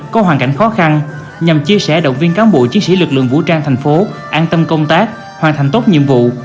có hoàn cảnh khó khăn nhằm chia sẻ động viên cán bộ chiến sĩ lực lượng vũ trang thành phố an tâm công tác hoàn thành tốt nhiệm vụ